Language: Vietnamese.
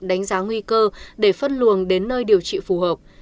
đánh giá nguy cơ để phân luồng đến nơi điều trị phù hợp